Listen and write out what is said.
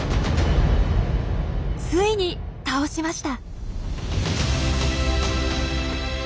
ついに倒しました。